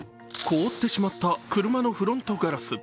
凍ってしまった車のフロントガラス。